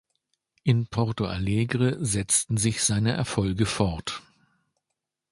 In Porto Alegre setzten sich seine Erfolge fort.